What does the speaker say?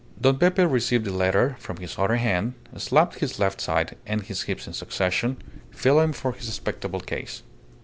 Don Pepe received the letter from his other hand, slapped his left side and his hips in succession, feeling for his spectacle case.